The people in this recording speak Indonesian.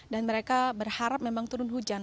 dan mereka berharap memang turun hujan